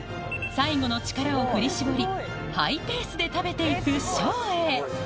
最後の力を振り絞りハイペースで食べていく照英